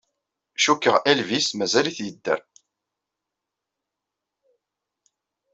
Cikkeɣ Elvis mazal-it yedder.